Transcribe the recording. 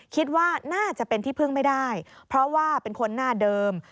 คิดว่าน่าจะเป็นที่พึ่งไม่ได้เพราะว่าเป็นคนหน้าเดิม